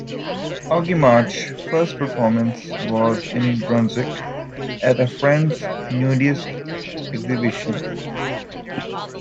Augie March's first performance was in Brunswick at a friend's nudist exhibition.